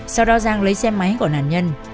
sau đó giang lấy xe máy của nạn nhân